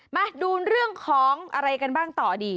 มาดูเรื่องของอะไรกันบ้างต่อดี